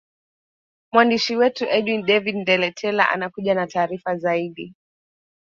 mwaandishi wetu edwin david ndeletela anakuja na taarifa zaidi